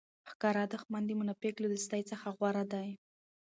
ښکاره دوښمن د منافق له دوستۍ څخه غوره دئ!